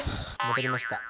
戻りました。